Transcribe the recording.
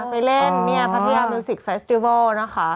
ไปเล่นพัทยามิวสิคเฟสติวัลนะคะ